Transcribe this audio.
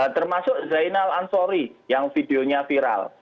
termasuk zainal ansori yang videonya viral